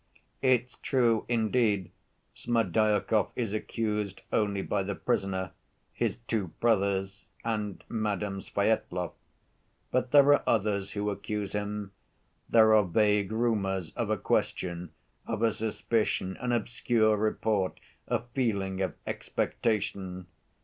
"It's true, indeed, Smerdyakov is accused only by the prisoner, his two brothers, and Madame Svyetlov. But there are others who accuse him: there are vague rumors of a question, of a suspicion, an obscure report, a feeling of expectation.